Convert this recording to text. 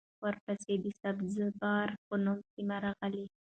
ورپسې د سبزه بار په نوم سیمه راغلې